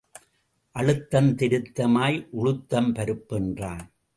அழுத்தந் திருத்தமாய் உழுத்தம் பருப்பு என்றான்.